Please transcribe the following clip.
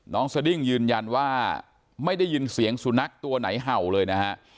สดิ้งยืนยันว่าไม่ได้ยินเสียงสุนัขตัวไหนเห่าเลยนะฮะ